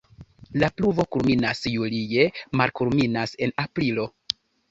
La pluvo kulminas julie, malkulminas en aprilo.